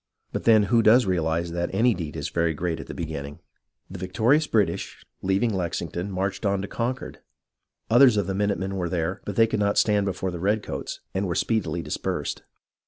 But then, who does realize that any deed is very great at its beginning ? The victorious British, leaving Lexington, marched on to Concord ; others of the minute men were there, but they could not stand before the redcoats, and were speedily dispersed.